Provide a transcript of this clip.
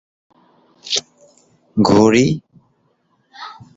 তালেবান জনগণকে সরবরাহ আনতে বাধা দিতে রাস্তা অবরোধ করে।